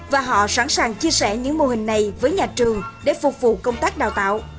và họ sẵn sàng chia sẻ những mô hình này với nhà trường để phục vụ công tác đào tạo